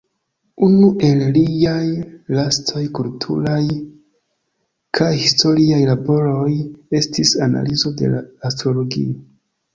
Unu el liaj lastaj kulturaj kaj historiaj laboroj estis analizo de la astrologio.